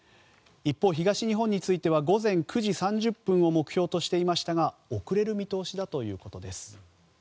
一方、東日本については午前９時３０分を目標としていましたが遅れる見通しだということです。